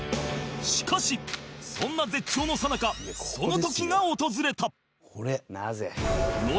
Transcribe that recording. しかしそんな絶頂のさなかその時が訪れた